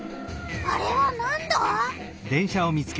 あれはなんだ？